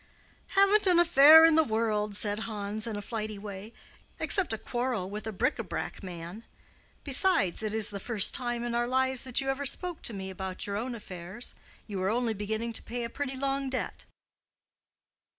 "Haven't an affair in the world," said Hans, in a flighty way, "except a quarrel with a bric à brac man. Besides, as it is the first time in our lives that you ever spoke to me about your own affairs, you are only beginning to pay a pretty long debt."